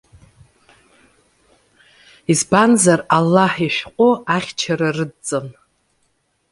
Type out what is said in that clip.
Избанзар, Аллаҳ ишәҟәы ахьчара рыдҵан.